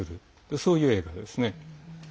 そういう映画ですね。